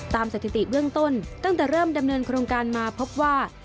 สถิติเบื้องต้นตั้งแต่เริ่มดำเนินโครงการมาพบว่า